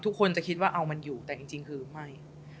ทุกคนจะคิดว่าเอามันอยู่แต่จริงคือไม่